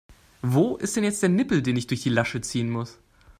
Wo ist denn jetzt der Nippel, den ich durch die Lasche ziehen muss?